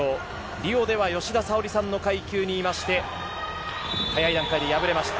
リオでは吉田沙保里さんの階級にいまして早い段階で敗れました。